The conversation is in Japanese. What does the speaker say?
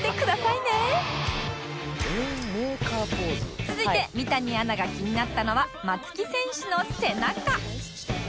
続いて三谷アナが気になったのは松木選手の背中